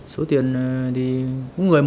số tiền thì